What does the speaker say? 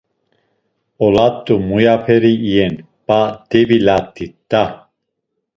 Olat̆u muyaperi iyen p̌a, devilat̆it da.